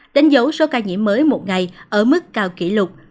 đánh dấu số ca nhiễm mới một ngày ở mức cao kỷ lục